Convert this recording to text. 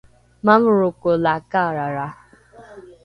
mavoroko la kaarara